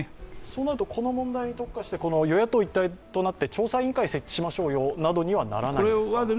そうなると、この問題を特化して与野党一体となって調査委員会を設置しましょうよなどにはならないんでしょうか。